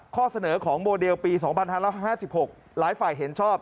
ข้อเสนอของโมเดลปี๒๕๕๖หลายฝ่ายเห็นชอบ